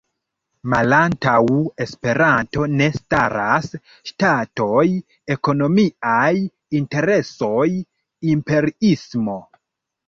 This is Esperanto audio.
Malantaŭ Esperanto ne staras ŝtatoj, ekonomiaj interesoj, imperiismo.